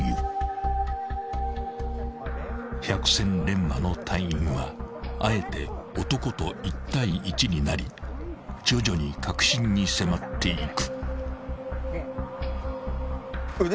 ［百戦錬磨の隊員はあえて男と１対１になり徐々に核心に迫っていく］